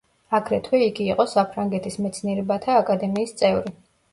აგრეთვე იგი იყო საფრანგეთის მეცნიერებათა აკადემიის წევრი.